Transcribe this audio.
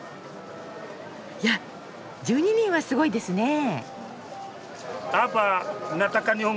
いや１２人はすごいですねえ。